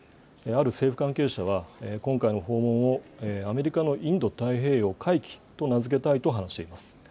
ある政府関係者は、今回の訪問をアメリカのインド太平洋回帰と名付けたいと話しています。